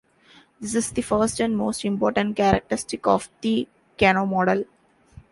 This is the first and most important characteristic of the Kano model.